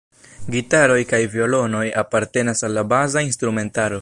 Gitaroj kaj violonoj apartenas al la baza instrumentaro.